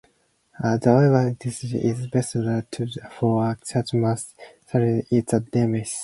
"The Literary Digest" is best-remembered today for the circumstances surrounding its demise.